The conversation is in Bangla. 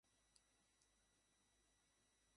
এই খেলার প্রথম প্রচলন শুরু চট্টগ্রামে।